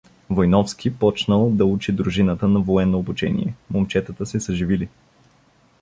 Войновски почнал да учи дружината на военно обучение, момчетата се съживили.